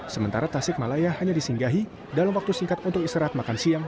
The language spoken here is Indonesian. sementara tasik malaya hanya disinggahi dalam waktu singkat untuk istirahat makan siang